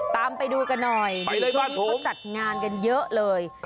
ตามไปดูกันหน่อยในช่วงนี้เขาจัดงานกันเยอะเลย